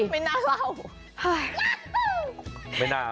ไม่น่าเล่า